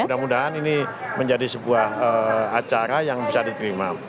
mudah mudahan ini menjadi sebuah acara yang bisa diterima